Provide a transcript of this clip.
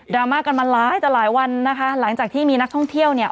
รามากันมาหลายต่อหลายวันนะคะหลังจากที่มีนักท่องเที่ยวเนี่ย